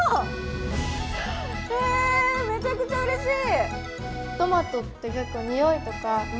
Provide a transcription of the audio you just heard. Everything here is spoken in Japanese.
めちゃくちゃうれしい！